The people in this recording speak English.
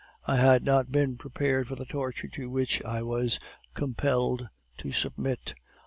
I had not been prepared for the torture to which I was compelled to submit.